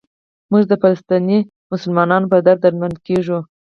موږ د فلسطیني مسلمانانو په درد دردمند کېږو.